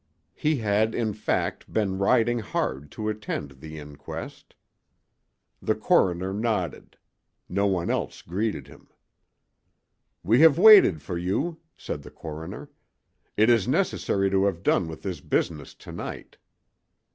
He had, in fact, been riding hard to attend the inquest. The coroner nodded; no one else greeted him. "We have waited for you," said the coroner. "It is necessary to have done with this business to night."